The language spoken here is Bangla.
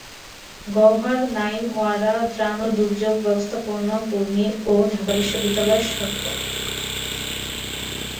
গওহার নঈম ওয়ারা ত্রাণ ও দুর্যোগ ব্যবস্থাপনা কর্মী ও ঢাকা বিশ্ববিদ্যালয়ের শিক্ষক।